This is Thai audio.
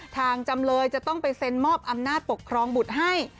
จำเลยจะต้องไปเซ็นมอบอำนาจปกครองบุตรให้